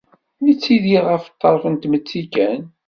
Yettidir ɣer ṭṭerf n tmetti kan.